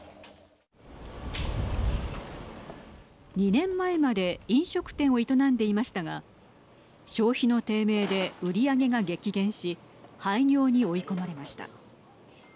２年前まで飲食店を営んでいましたが消費の低迷で売り上げが激減し廃業に追い込まれました。